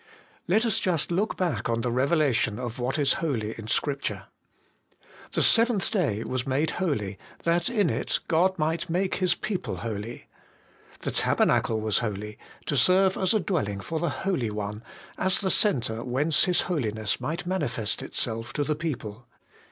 Let us just look back on the revelation of what is holy in Scripture. The seventh day was made holy, that in it God might make His people holy. The tabernacle was holy, to serve as a dwelling for the Holy One, as the centre whence His Holiness might manifest itself to the people.